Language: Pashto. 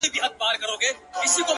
افسوس كوتر نه دى چي څوك يې پـټ كړي ـ